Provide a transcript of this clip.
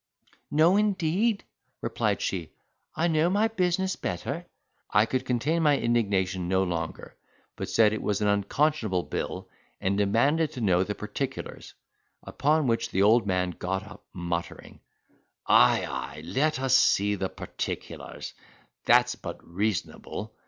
"No, indeed," replied she, "I know my business better." I could contain my indignation no longer, but said it was an unconscionable bill, and demanded to know the particulars; upon which the old man got up, muttering, "Ay, ay, let us see the particulars—that's but reasonable."